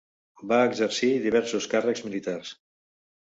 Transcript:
Va exercir diversos càrrecs militars.